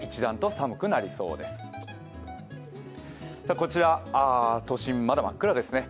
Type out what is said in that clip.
こちら都心、まだ真っ暗ですね。